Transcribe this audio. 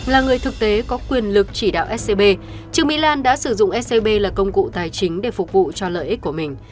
là người thực tế có quyền lực chỉ đạo scb trương mỹ lan đã sử dụng scb là công cụ tài chính để phục vụ cho lợi ích của mình